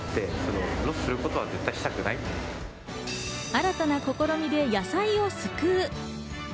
新たな試みで野菜を救う。